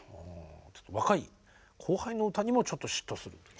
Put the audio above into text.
若い後輩の歌にもちょっと嫉妬するという。